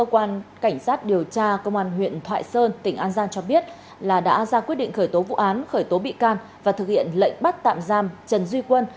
sáng ngày một mươi năm tháng sáu cơ quan cảnh sát điều tra công an huyện thoại sơn tỉnh an giang cho biết là đã ra quyết định khởi tố vụ án khởi tố bị can và thực hiện lệnh bắt tạm giam trần duy quân